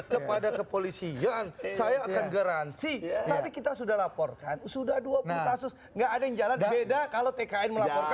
kepada kepolisian saya akan garansi tapi kita sudah laporkan sudah dua puluh kasus nggak ada yang jalan beda kalau tkn melaporkan